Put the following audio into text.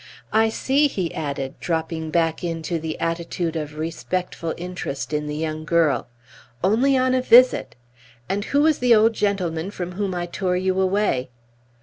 I see," he added, dropping back into the attitude of respectful interest in the young girl; "only on a visit; and who was the old gentleman from whom I tore you away?"